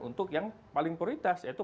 untuk yang paling prioritas yaitu